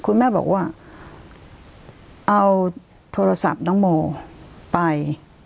คุณแม่บอกว่าเอาโทรศัพท์น้องโมไป